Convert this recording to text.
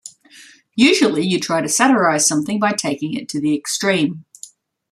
Usually you try to satirize something by taking it to the extreme.